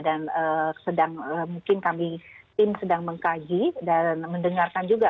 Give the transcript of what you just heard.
dan mungkin kami tim sedang mengkaji dan mendengarkan juga